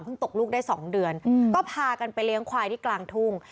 ตกลูกได้๒เดือนก็พากันไปเลี้ยงควายที่กลางทุ่ง